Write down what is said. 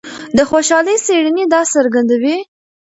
د خوشحالۍ څېړنې دا څرګندوي.